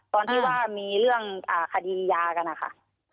ตอนที่ว่ามีเรื่องคดียากันนะคะ